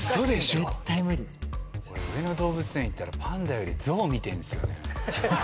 俺上野動物園行ったらパンダよりゾウ見てるんすよね。